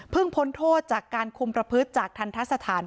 เพิ่งพ้นโทษจากการคุมประพฤต๒๐๒๐จากทรรถสถาน